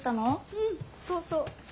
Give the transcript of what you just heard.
うんそうそう。